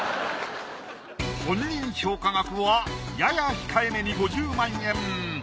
本人評価額はやや控えめに５０万円。